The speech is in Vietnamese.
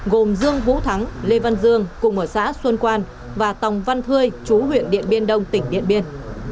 gồm dương vũ thắng lê văn dương cùng ở xã xuân quan và tòng văn thơi chú huyện điện biên đông tỉnh điện biên